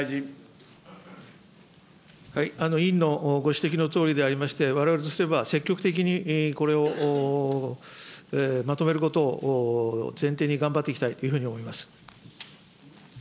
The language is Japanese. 委員のご指摘のとおりでありまして、われわれとしては積極的にこれをまとめることを前提に頑張っていきたいというふうに思います。